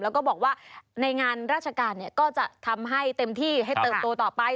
แล้วก็บอกว่าในงานราชการก็จะทำให้เต็มที่ให้เติบโตต่อไป